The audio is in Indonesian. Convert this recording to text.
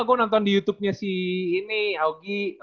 gue nonton di youtubenya si ini augie